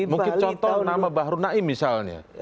mungkin contoh nama bahru naim misalnya